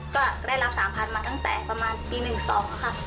ก็ได้รับ๓๐๐๐มาตั้งแต่ประมาณปี๑๒ค่ะ